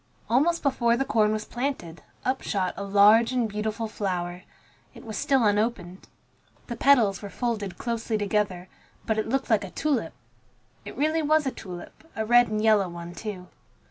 Almost before the corn was planted, up shot a large and beautiful flower. It was still unopened. The petals were folded closely together, but it looked like a tulip. It really was a tulip, a red and yellow one, too.